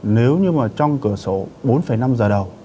nếu như mà trong cửa sổ bốn năm giờ đầu